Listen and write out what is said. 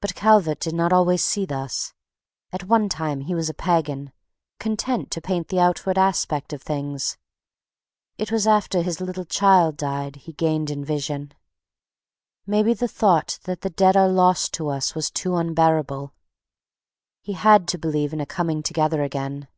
But Calvert did not always see thus. At one time he was a Pagan, content to paint the outward aspect of things. It was after his little child died he gained in vision. Maybe the thought that the dead are lost to us was too unbearable. He had to believe in a coming together again.